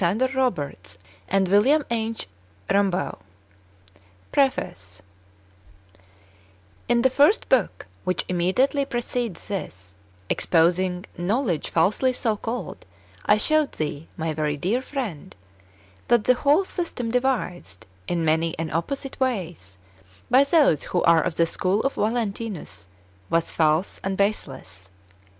SWISI ^*^®^^^* book, whicli immediately precedes this, exposing " knowledge falsely so called," ^ I showed thee, my very dear friend, that the whole system devised, in many and opposite ways, by those who are of the school of Valentinus, was false and baseless.